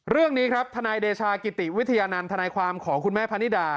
เรื่องนี้ครับทนายเดชากิติวิทยานันทนายความของคุณแม่พะนิดา